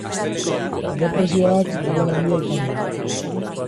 Errepresioak eragin handia izan du.